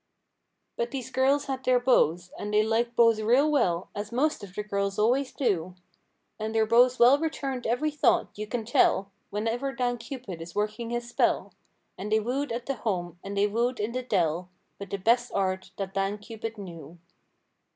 But these girls had their beaux (and they liked beaux real well, As most of the girls always do) And their beaux well returned every thought. You can tell Whenever Dan Cupid is working his spell. And they wooed at the home, and they wooed in the dell. With the best art that Dan Cupid knew.